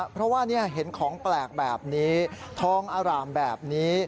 เพราะว่าเห็นของแปลกแบบนี้ทองอร่ามแบบนี้